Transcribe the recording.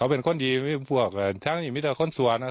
พวกที่อยู่บ้านนี้เป็นคนทั่วหมด